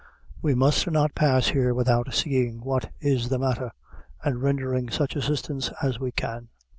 We must not pass here without seeing what is the matther, and rendering such assistance as we can."